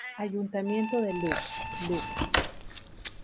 Ayuntamiento de Lugo, Lugo.